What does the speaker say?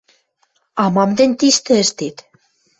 — А мам тӹнь тиштӹ ӹштет?